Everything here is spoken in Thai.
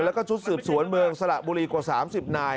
แล้วก็จุดสืบศรวนเมลงสละบูรีกว่าสามสิบนาย